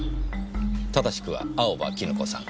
正しくは青葉絹子さん。